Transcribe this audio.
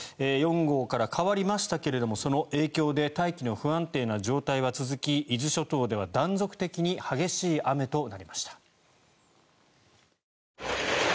４号から変わりましたけれどもその影響で大気の不安定な状態は続き伊豆諸島では断続的に激しい雨となりました。